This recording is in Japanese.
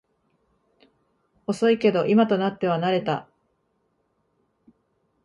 遅いけど今となっては慣れた